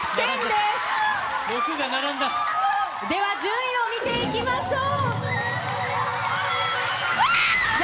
では、順位を見ていきましょう。